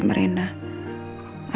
aku mau ke rumah sama reina